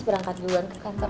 berangkat duluan ke kantor